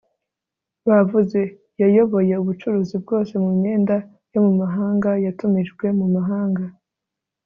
bavuze, yayoboye ubucuruzi bwose mu myenda yo mu mahanga yatumijwe mu mahanga